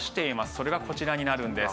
それがこちらになるんです。